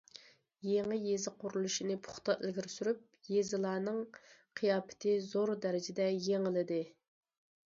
يېڭى يېزا قۇرۇلۇشىنى پۇختا ئىلگىرى سۈرۈپ، يېزىلارنىڭ قىياپىتى زور دەرىجىدە يېڭىلىدى.